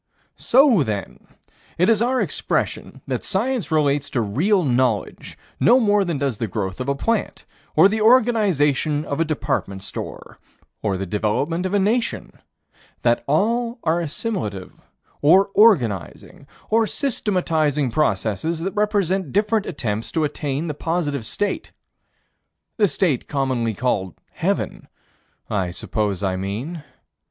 3 So then, it is our expression that Science relates to real knowledge no more than does the growth of a plant, or the organization of a department store, or the development of a nation: that all are assimilative, or organizing, or systematizing processes that represent different attempts to attain the positive state the state commonly called heaven, I suppose I mean.